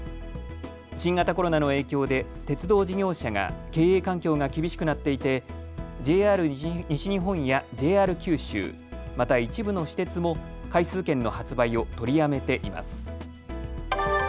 新型コロナの影響で鉄道事業者が経営環境が厳しくなっていてＪＲ西日本やＪＲ九州、また一部の私鉄も回数券の発売を取りやめています。